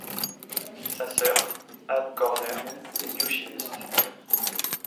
Sa sœur, Ann Körner, est biochimiste.